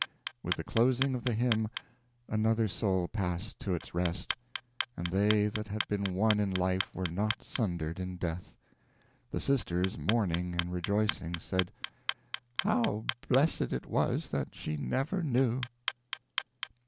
With the closing of the hymn another soul passed to its rest, and they that had been one in life were not sundered in death. The sisters, mourning and rejoicing, said: "How blessed it was that she never knew!"